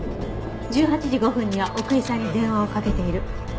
１８時５分には奥居さんに電話をかけている。